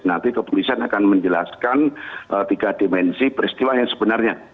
nanti kepolisian akan menjelaskan tiga dimensi peristiwa yang sebenarnya